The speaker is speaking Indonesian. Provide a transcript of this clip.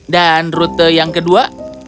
dan rute yang kedua